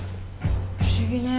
不思議ね